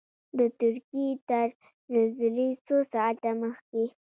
د ترکیې تر زلزلې څو ساعته مخکې.